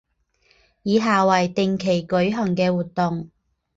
以下为定期举行的活动